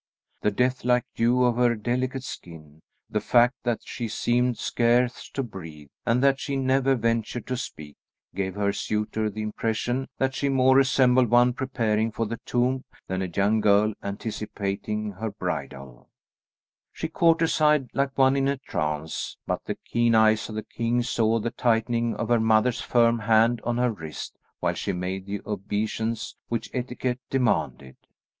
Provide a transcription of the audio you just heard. The death like hue of her delicate skin, the fact that she seemed scarce to breathe, and that she never ventured to speak, gave her suitor the impression that she more resembled one preparing for the tomb than a young girl anticipating her bridal. She courtesied like one in a trance; but the keen eyes of the king saw the tightening of her mother's firm hand on her wrist while she made the obeisance which etiquette demanded.